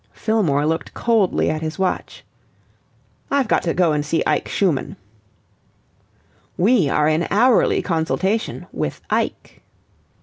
'" Fillmore looked coldly at his watch. "I've got to go and see Ike Schumann." "We are in hourly consultation with Ike."